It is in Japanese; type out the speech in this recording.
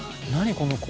この子」